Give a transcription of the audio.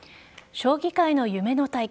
将棋界の夢の対決